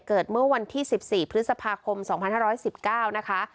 เกิดเมื่อวันที่๑๔พฤษภาคม๒๕๑๙นะคะ